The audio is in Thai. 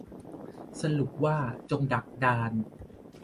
สรุปว่าจงดักดาน